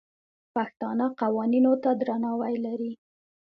پښتانه قوانینو ته درناوی لري.